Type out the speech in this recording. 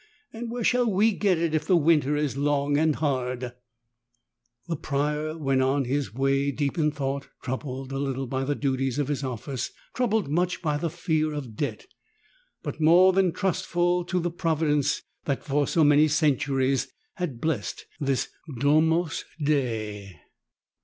And where shall we get it if the winter is long and hard ?" The Prior went on his way deep in thought, troubled a little by the duties of his office, troubled much by the fear of debt; but more than trustful in the Providence that for so many centuries had blessed this Damns Dei.